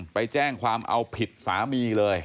ไปแจ้งความเอาผิดสามีเลย